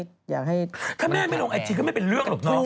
ถ้าแม่ไม่ลงไอจีก็ไม่เป็นเรื่องหรอก